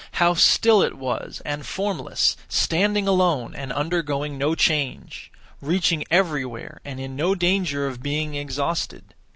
How still it was and formless, standing alone, and undergoing no change, reaching everywhere and in no danger (of being exhausted)!